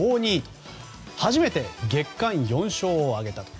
初めて月間４勝を挙げたと。